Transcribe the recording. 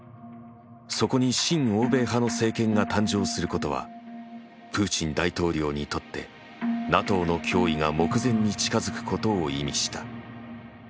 そこに親欧米派の政権が誕生することはプーチン大統領にとってＮＡＴＯの脅威が目前に近づくことを意味した。